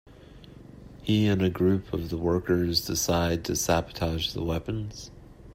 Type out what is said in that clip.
He and a group of the workers decide to sabotage the weapons.